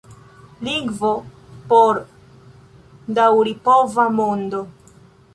Lingvo por daŭripova mondo.